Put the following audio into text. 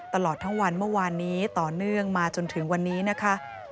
ตลอดทั้งวันเมื่อวานนี้ต่อเนื่องมาจนถึงวันนี้นะคะ